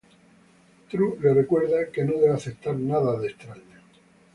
Tru le recuerda que no debe aceptar nada de extraños.